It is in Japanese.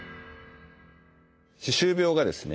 歯周病がですね